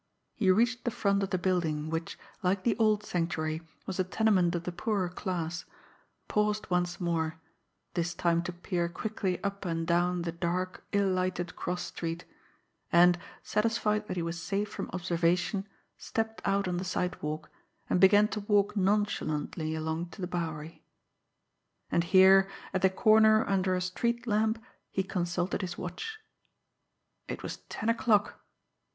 He reached the front of the building, which, like the old Sanctuary, was a tenement of the poorer class, paused once more, this time to peer quickly up and down the dark, ill lighted cross street and, satisfied that he was safe from observation, stepped out on the sidewalk, and began to walk nonchalantly along to the Bowery. And here, at the corner, under a street lamp he consulted his watch. It was ten o'clock!